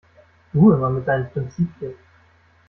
Du immer mit deinen Prinzipien!